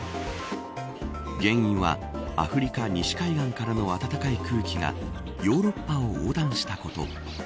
原因はアフリカ西海岸からの暖かい空気がヨーロッパを横断したこと。